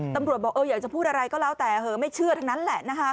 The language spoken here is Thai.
ตำรวจบอกอยากจะพูดอะไรก็แล้วแต่เหอไม่เชื่อทั้งนั้นแหละ